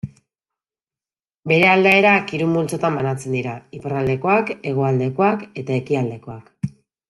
Bere aldaerak hiru multzotan banatzen dira: iparraldekoak, hegoaldekoak eta ekialdekoak.